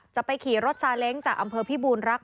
จะไปขี่รถซาเล้งจากอำเภอพิบูรรักษ